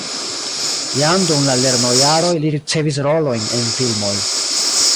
Jam dum la lernojaroj li ricevis rolojn en filmoj.